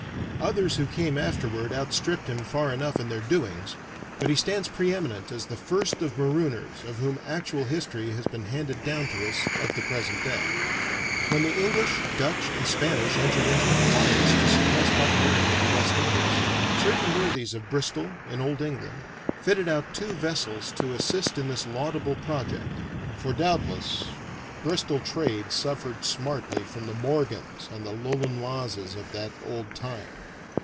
Others who came afterward outstripped him far enough in their doings, but he stands pre eminent as the first of marooners of whom actual history has been handed down to us of the present day. When the English, Dutch, and Spanish entered into an alliance to suppress buccaneering in the West Indies, certain worthies of Bristol, in old England, fitted out two vessels to assist in this laudable project; for doubtless Bristol trade suffered smartly from the Morgans and the l'Olonoises of that old time.